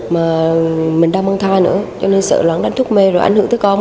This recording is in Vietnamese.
mà mình đang băng thai nữa cho nên sợ lo lắng đánh thuốc mê rồi ảnh hưởng tới con